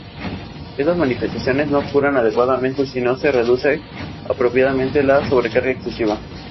Estas manifestaciones no curan adecuadamente si no se reduce apropiadamente la sobrecarga excesiva.